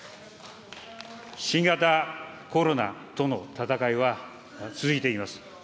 新型コロナとの闘いは続いています。